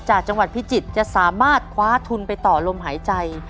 จากจังหวัดพิจิตรจะสามารถคว้าทุนไปต่อลมหายใจ